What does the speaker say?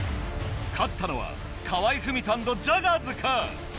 勝ったのは河合郁人＆ジャガーズか？